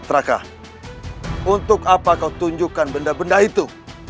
traka untuk apa kau tunjukkan benda benda itu